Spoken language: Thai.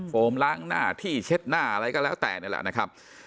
โมล้างหน้าที่เช็ดหน้าอะไรก็แล้วแต่นี่แหละนะครับ